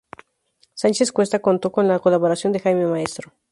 Sánchez Cuesta contó con la colaboración de Jaime Maestro.